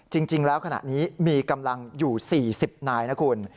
จริงแล้วขณะนี้มีกำลังอยู่๔๐นายนะคุณ